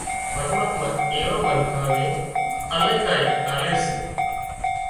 پرماتما ايوان منکان نين الاهي ڪانئين آلي سي